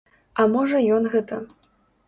А можа ён гэта.